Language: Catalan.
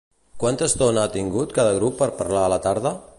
Quanta estona ha tingut cada grup per parlar a la tarda?